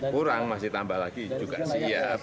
kurang masih tambah lagi juga siap